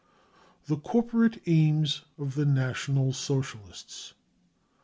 r Tlie w Corporate " Aims of the National Socialists.